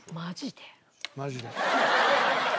マジで。